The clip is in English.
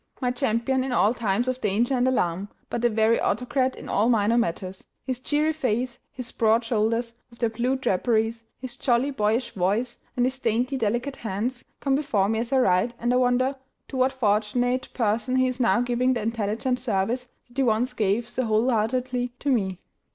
My champion in all times of danger and alarm, but a very autocrat in all minor matters, his cheery face, his broad shoulders with their blue draperies, his jolly, boyish voice, and his dainty, delicate hands come before me as I write, and I wonder to what fortunate person he is now giving the intelligent service that he once gave so whole heartedly to me.